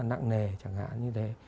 nặng nề chẳng hạn như thế